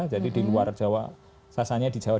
jadi di luar jawa sasarnya di jawa